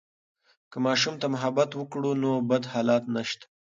که ماشوم ته محبت وکړو، نو بد حالات نشته.